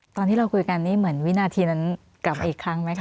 ตอนที่เราคุยกันนี่เหมือนวินาทีนั้นกลับอีกครั้งไหมคะ